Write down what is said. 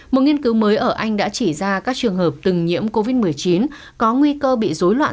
một nghiên cứu mới ở anh đã chỉ ra các trường hợp từng nhiễm covid một mươi chín có nguy cơ bị dối loạn